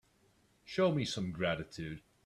Show me some gratitude.